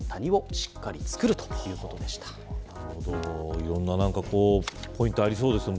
いろんなポイントがありそうですね。